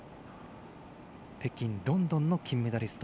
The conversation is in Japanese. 北京、ロンドンの金メダリスト。